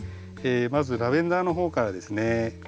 まずラベンダーの方からですね。